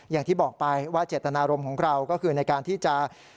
อย่างที่บอกไปว่าเจตนารมณ์ของเราก็คือในการที่จะ